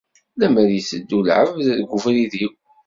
Lemmer i itteddu lεebd deg ubrid-iw!